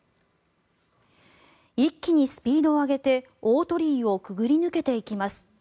一気にスピードを上げて大鳥居を潜り抜けていきます。